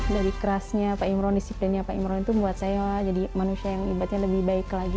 dari kerasnya pak imron disiplinnya pak imron itu buat saya jadi manusia yang ibadahnya lebih baik lagi